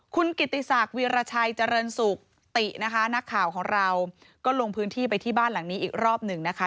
คุณกิติศักดิ์วีรชัยเจริญสุขตินะคะนักข่าวของเราก็ลงพื้นที่ไปที่บ้านหลังนี้อีกรอบหนึ่งนะคะ